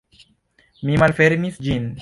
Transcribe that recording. Mi malfermis ĝin.